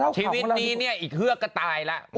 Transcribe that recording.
ชีวิตนี้เนี่ยอีกเฮือกก็ตายแล้ว